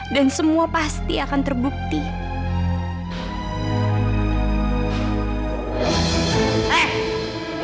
sampai jumpa di video selanjutnya